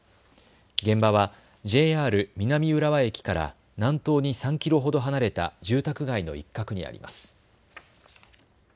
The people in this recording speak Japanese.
現場はＪＲ南浦和駅から南東に３キロほど離れた住宅街の一角にあります。